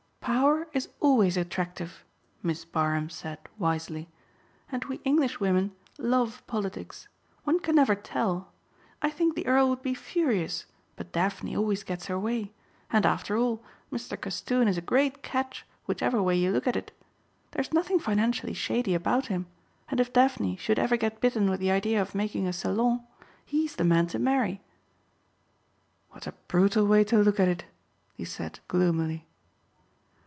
"Power is always attractive," Miss Barham said wisely, "and we English women love politics. One can never tell. I think the earl would be furious but Daphne always gets her way and after all Mr. Castoon is a great catch whichever way you look at it. There's nothing financially shady about him and if Daphne should ever get bitten with the idea of making a salon, he's the man to marry." "What a brutal way to look at it," he said gloomily.